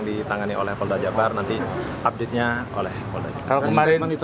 sehingga sekarang ditangani oleh polda jawa barat nanti update nya oleh polda jawa barat